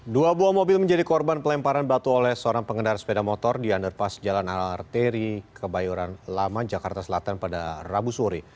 dua buah mobil menjadi korban pelemparan batu oleh seorang pengendara sepeda motor di underpass jalan al arteri kebayoran lama jakarta selatan pada rabu sore